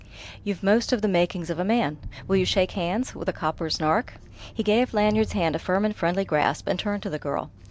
You've most of the makings of a man. Will you shake hands with a copper's nark?" He gave Lanyard's hand a firm and friendly grasp, and turned to the girl.